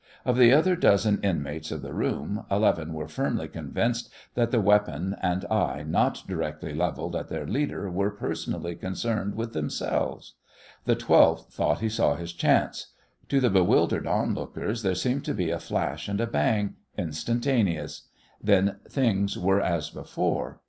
Of the other dozen inmates of the room, eleven were firmly convinced that the weapon and eye not directly levelled at their leader were personally concerned with themselves. The twelfth thought he saw his chance. To the bewildered onlookers there seemed to be a flash and a bang, instantaneous; then things were as before.